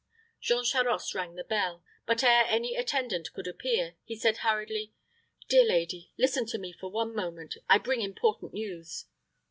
Jean Charost rang the bell; but ere any attendant could appear, he said, hurriedly, "Dear lady, listen to me for one moment: I bring important news."